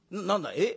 えっ？